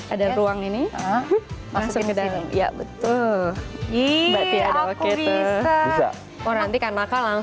ada ruang ini masuk ke dalam